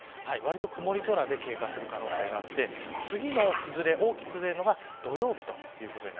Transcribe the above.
曇り空で経過する可能性があって大きく崩れるのが次は土曜日です。